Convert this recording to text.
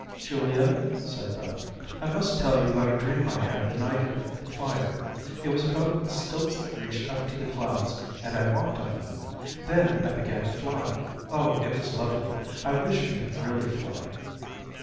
"Julia," said Beth, "I must tell you about a dream I had the night of the fire. It was about stilts that reached up to the clouds, and I walked on them. Then I began to fly. Oh, it was lovely. I wish we could really fly."